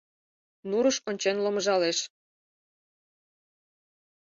Нурыш ончен ломыжалеш.